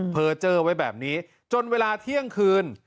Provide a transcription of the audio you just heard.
เจอไว้แบบนี้จนเวลาเที่ยงคืน